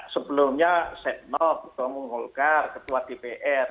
sebelumnya setno ketua umum golkar ketua dpr